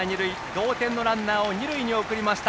同点のランナーを二塁に送りました。